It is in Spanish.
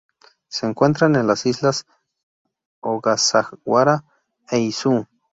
Se encuentran en las Islas Ogasawara e Izu.